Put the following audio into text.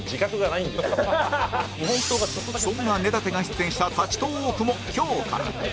そんな根建が出演した立ちトーークも今日から